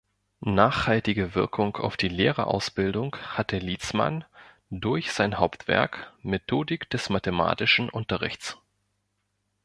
Nachhaltige Wirkung auf die Lehrerausbildung hatte Lietzmann durch sein Hauptwerk "Methodik des mathematischen Unterrichts.